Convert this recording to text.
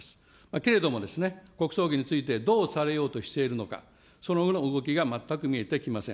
けれどもですね、国葬儀についてどうされようとしているのか、その後の動きが全く見えてきません。